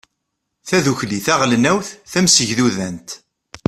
tadukli taɣelnawt tamsegdudant